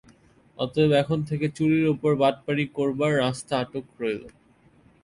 অতএব এখন থেকে চুরির উপর বাটপাড়ি করবার রাস্তা আটক রইল।